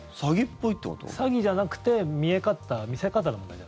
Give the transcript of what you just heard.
詐欺じゃなくて見せ方の問題。